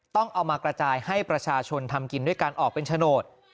ต้องเอามากระจายให้ประชาชนทำกินด้วยการออกเป็นโฉนด